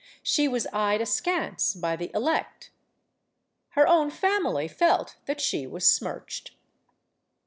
She was eyed askance by the elect. Her own family felt that she was smirched.